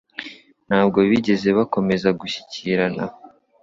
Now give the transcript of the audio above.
Ntabwo bigeze bakomeza gushyikirana